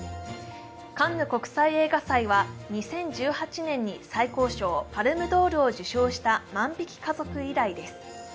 カンヌ国際映画祭は２０１８年に最高賞パルムドールを受賞した「万引き家族」以来です。